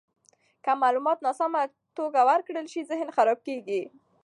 که معلومات ناسمه توګه ورکړل شي، ذهن خراب کیږي.